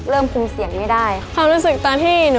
รวมทั้งหมดอังุ่นได้ไปทั้งหมด๕๕คะแนนค่ะ